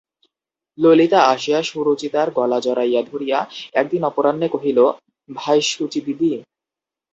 ললিতা আসিয়া সুচরিতার গলা জড়াইয়া ধরিয়া একদিন অপরাহ্নে কহিল, ভাই সুচিদিদি!